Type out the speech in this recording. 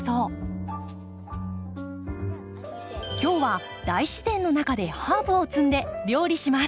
今日は大自然の中でハーブを摘んで料理します。